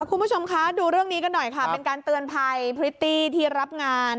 คุณผู้ชมคะดูเรื่องนี้กันหน่อยค่ะเป็นการเตือนภัยพริตตี้ที่รับงาน